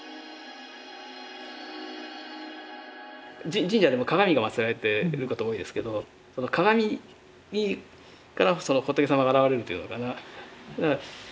神社には鏡が祀られていることが多いですけどその鏡からその仏様が現れるというのかな。